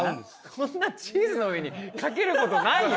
こんなチーズの上にかけることないよ